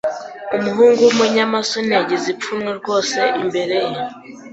Umuhungu wumunyamasoni yagize ipfunwe rwose imbere ye.